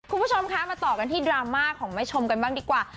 คุณผู้ชมคะมาต่อกันที่ดราม่าของแม่ชมกันบ้างดีกว่า